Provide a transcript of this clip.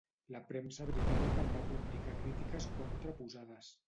La premsa britànica en va publicar crítiques contraposades.